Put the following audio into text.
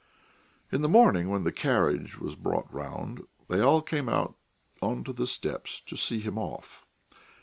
In the morning when the carriage was brought round they all came out on to the steps to see him off.